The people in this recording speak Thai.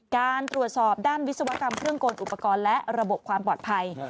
การตรวจสอบด้านวิศวกรรมเครื่องกลอุปกรณ์และระบบความปลอดภัย